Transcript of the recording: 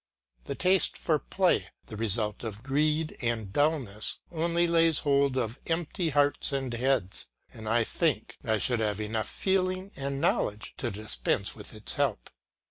The taste for play, the result of greed and dullness, only lays hold of empty hearts and heads; and I think I should have enough feeling and knowledge to dispense with its help.